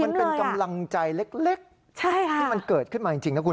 มันเป็นกำลังใจเล็กที่มันเกิดขึ้นมาจริงนะคุณ